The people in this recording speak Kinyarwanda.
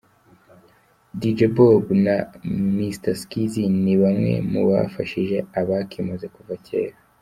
Dj Bob na Mr Skizz ni bamwe mu bafashije Abakimaze kuva cyera.